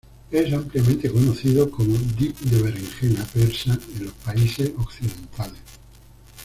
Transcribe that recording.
Es ampliamente conocido como Dip de berenjena persa en los países occidentales.